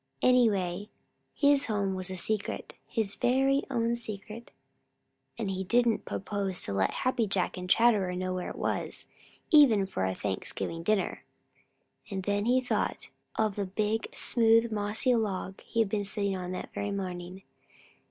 Anyway, his home was a secret, his very own secret, and he didn't propose to let Happy Jack and Chatterer know where it was, even for a Thanksgiving dinner. Then he thought of the big, smooth, mossy log he had been sitting on that very morning.